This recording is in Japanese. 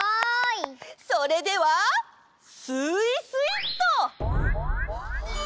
それではスイスイっと！